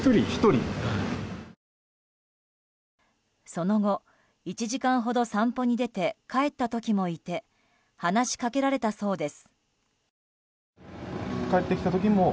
その後、１時間ほど散歩に出て帰った時もいて話しかけられたそうです。